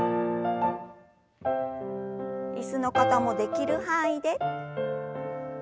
椅子の方もできる範囲で。